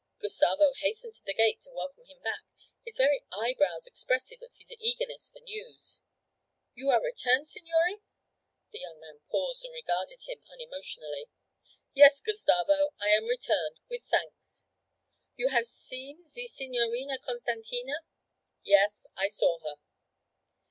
Gustavo hastened to the gate to welcome him back, his very eyebrows expressive of his eagerness for news. 'You are returned, signore?' The young man paused and regarded him unemotionally. 'Yes, Gustavo, I am returned with thanks.' 'You have seen ze Signorina Costantina?' 'Yes, I saw her.'